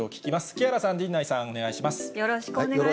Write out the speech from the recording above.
木原さん、よろしくお願いします。